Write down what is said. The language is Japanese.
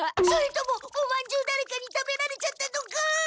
それともおまんじゅうだれかに食べられちゃったとか！